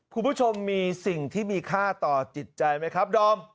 คุณผู้ชมมีสิ่งที่มีค่าต่อจิตใจไหมครับดอม